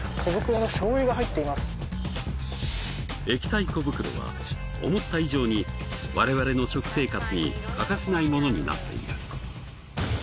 液体小袋は思った以上に我々の食生活に欠かせないものになっている。